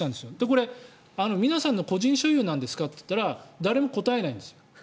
これ、皆さんの個人所有なんですかと言ったら誰も答えないんです。